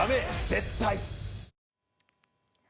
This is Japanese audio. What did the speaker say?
絶対。